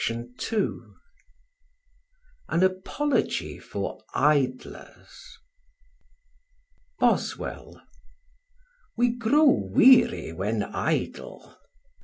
] II AN APOLOGY FOR IDLERS BOSWELL: "We grow weary when idle."